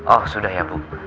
oh sudah ya bu